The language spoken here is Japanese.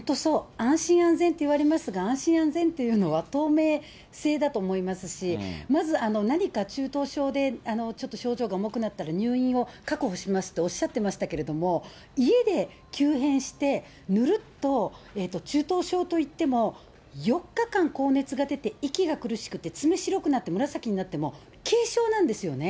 安心安全といわれますが、安心安全というのは、透明性だと思いますし、まず、何か中等症で、ちょっと症状が重くなったら、入院を確保しますっておっしゃってましたけど、家で急変して、ぬるっと、中等症といっても４日間高熱が出て、息が苦しくて、爪白くなっても紫になっても軽症なんですよね。